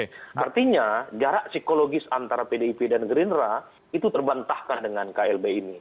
artinya jarak psikologis antara pdip dan gerindra itu terbantahkan dengan klb ini